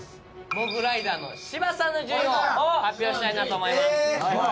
モグライダーの芝さんの順位を発表したいなと思います。